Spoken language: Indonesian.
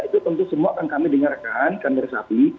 itu tentu semua akan kami dengarkan kami resapi